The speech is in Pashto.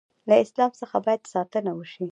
له اسلام څخه باید ساتنه وشي.